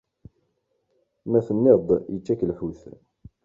Ma tenniḍ-d yečča-k lḥut.